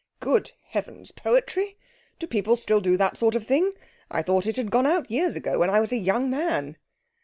'Good heavens! Poetry! Do people still do that sort of thing? I thought it had gone out years ago when I was a young man.'